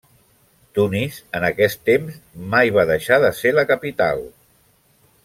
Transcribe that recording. Tunis en aquest temps mai va deixar de ser la capital.